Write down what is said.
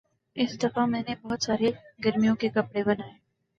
اس دفعہ میں نے بہت سارے گرمیوں کے کپڑے بنائے